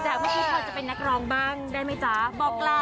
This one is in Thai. โหหน่อยมันเยอะหน่อย